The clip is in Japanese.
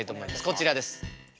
こちらです。